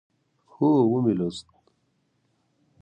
هو، ومی لوست